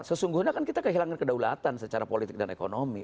sesungguhnya kan kita kehilangan kedaulatan secara politik dan ekonomi